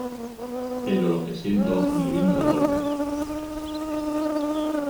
pero lo que siento me vino de golpe